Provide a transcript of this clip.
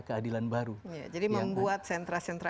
keadilan baru jadi membuat sentra sentra